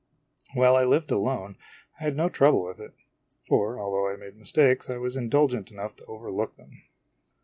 While I lived alone, I had no trouble with it; for although I made mistakes, I was indulgent enough to overlook them.